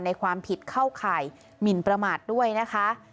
ในความผิดเข้าข่ายหมินประมาทด้วยนะคะ